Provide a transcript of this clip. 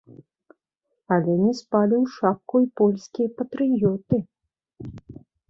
Але не спалі ў шапку і польскія патрыёты.